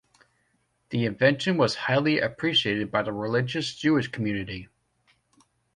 This invention was highly appreciated by the religious Jewish community.